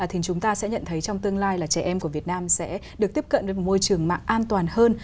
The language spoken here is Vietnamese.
thì chúng ta sẽ nhận thấy trong tương lai là trẻ em của việt nam sẽ được tiếp cận với một môi trường mạng an toàn hơn